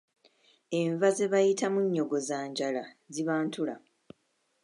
Enva ze bayita munnyogozanjala ziba ntula.